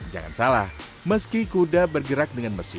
jangan salah meski kuda bergerak dengan mesin